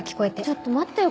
ちょっと待ってよ